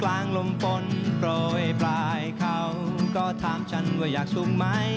สนุนโดยอีซุสุสุข